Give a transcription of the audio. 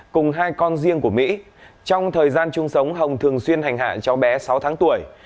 cùng hai con riêng của mỹ trong thời gian chung sống hồng thường xuyên hành hạ cháu bé sáu tháng tuổi